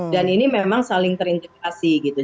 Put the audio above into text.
dan ini memang saling terintegrasi gitu